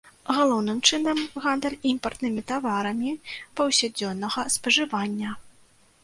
Галоўным чынам гандаль імпартнымі таварамі паўсядзённага спажывання.